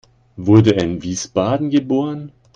Wurde er in Wiesbaden geboren?